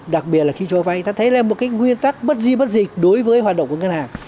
đặc biệt là khi cho vay ta thấy là một cái nguyên tắc bất di bất dịch đối với hoạt động của ngân hàng